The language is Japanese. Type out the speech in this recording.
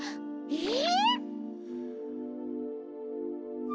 えっ！？